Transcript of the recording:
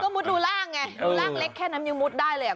มุดดูร่างไงดูร่างเล็กแค่นั้นยังมุดได้เลยอ่ะ